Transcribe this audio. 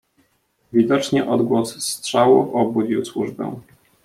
"Widocznie odgłos strzałów obudził służbę."